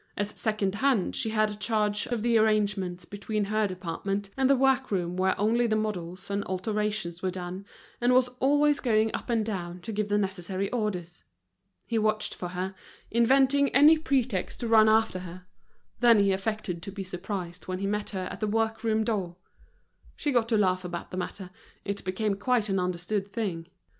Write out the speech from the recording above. As secondhand she had charge of the arrangements between her department and the work room where only the models and alterations were done, and was always going up and down to give the necessary orders. He watched for her, inventing any pretext to run after her; then he affected to be surprised when he met her at the work room door. She got to laugh about the matter, it became quite an understood thing.